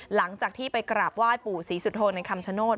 หลังจากที่ไปกลับว่าปู่ศรีสุธงษ์ในคำชโนต